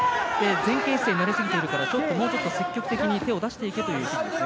前傾姿勢になりすぎているからもうちょっと積極的に手を出していけという指示です。